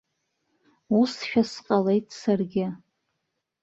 Усшәа сҟалеит саргьы.